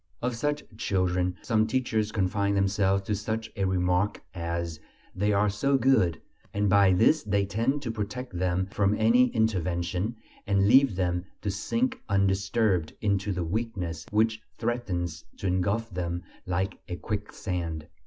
Of such children some teachers confine themselves to such a remark as: "They are so good," and by this they tend to protect them from any intervention, and leave them to sink undisturbed into the weakness which threatens to engulf them like a quicksand.